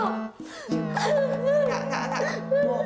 cinta gak gak gak